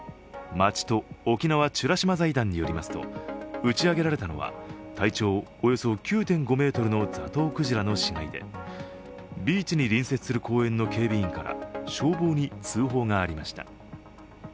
町と沖縄美ら島財団によりますと、打ち上げられたのは体長およそ９．５ｍのザトウクジラの死骸でビーチに隣接する公園の警備員から消防に通報がありました。